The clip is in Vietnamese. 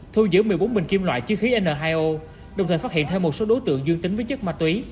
thu giữ một mươi bốn bình kim loại chứa khí n hai o đồng thời phát hiện thêm một số đối tượng dương tính với chất ma túy